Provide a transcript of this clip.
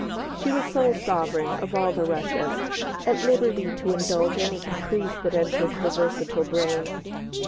She was sole sovereign of all the Russias, at liberty to indulge any caprice that entered her versatile brain.